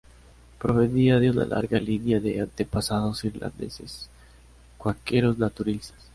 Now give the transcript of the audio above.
Provenía de una larga línea de antepasados irlandeses-cuáqueros naturalistas.